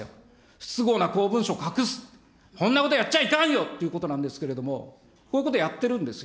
不都合な公文書隠す、こんなこと、やっちゃいかんよということなんですけれども、こういうことをやってるんですよ。